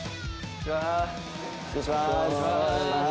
失礼します。